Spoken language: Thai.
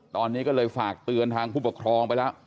ตอนนี้ก็เลยฝากเตือนทางผู้ปกครองไปแล้ว